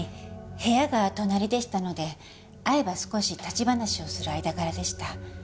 部屋が隣でしたので会えば少し立ち話をする間柄でした。